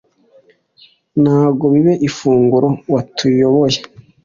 ngo bibe ifunguro, watuyoboye